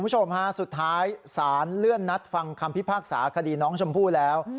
ใช้ไม่ได้แล้ว